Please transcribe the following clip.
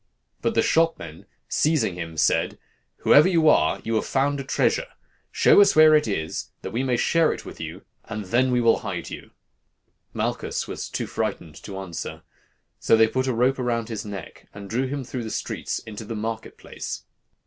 But the shop men, seizing him, said, 'Whoever you are, you have found a treasure; show us where it is, that we may share it with you, and then we will hide you.' Malchus was too frightened to answer. So they put a rope round his neck, and drew him through the streets into the market place.